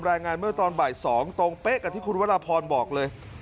รายงานเมื่อตอนบ่าย๒ตรงเป๊ะกับที่คุณวรพรบอกเลย